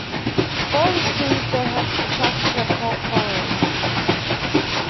Well received, they have attracted a cult following.